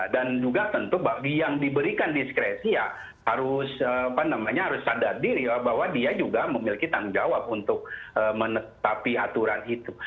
dan juga tentu bagi yang diberikan diskresi ya harus apa namanya harus sadar diri bahwa dia juga memiliki tanggung jawab untuk menetapi aturan itu